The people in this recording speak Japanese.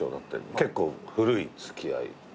結構古い付き合い。